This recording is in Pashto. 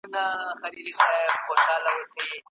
او پښتو باید ژوند کړو.